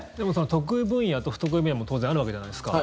得意分野と不得意分野も当然あるわけじゃないですか。